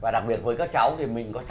sáng tác ảnh